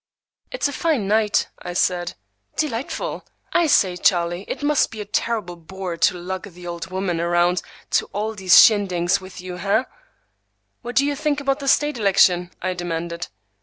"It's a fine night," I said. "Delightful! I say, Charlie, it must be a terrible bore to lug the old woman around to all these shindigs with you, hey?" "What do you think about the State election?" I demanded.